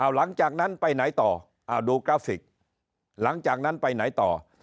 หลังจากนั้นไปไหนต่อดูกราฟิกหลังจากนั้นไปไหนต่อ